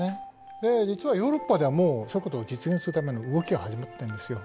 で実はヨーロッパではもうそういうことを実現するための動きが始まっているんですよ。